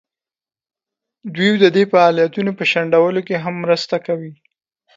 دوی د دې فعالیتونو په شنډولو کې هم مرسته کوي.